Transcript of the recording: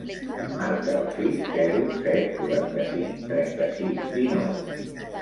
Marca el sis, zero, set, quaranta-cinc, trenta-sis, dinou.